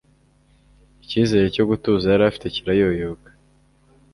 icyizere cyo gutuza yari afite kirayoyoka